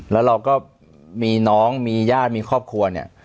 แล้วเราก็มีน้องมีญาติมีครอบครัวเนี่ย